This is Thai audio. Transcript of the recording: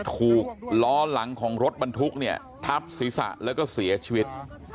ถูกล้อหลังของรถบรรทุกเนี่ยทับศีรษะแล้วก็เสียชีวิต